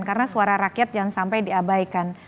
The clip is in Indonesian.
karena suara rakyat jangan sampai diabaikan